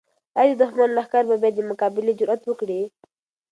آیا د دښمن لښکر به بیا د مقابلې جرات وکړي؟